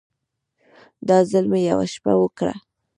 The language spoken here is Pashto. دا ځل مې يوه شپه وکړه.